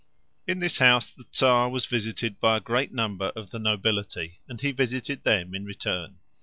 In this house the Czar was visited by a great number of the nobility, and he visited them in return.